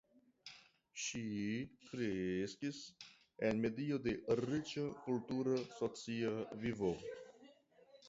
Ŝi kreskis en medio de riĉa kultura socia vivo.